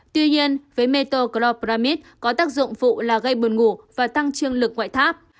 tuy nhiên với metoclopramide có tác dụng phụ là gây buồn ngủ và tăng trương lực ngoại tâm